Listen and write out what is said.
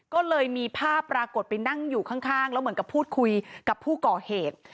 ก็เลยมีภาพปรากฏไปนั่งอยู่ข้างแล้วเหมือนกับพูดคุยกับผู้ก่อเหตุ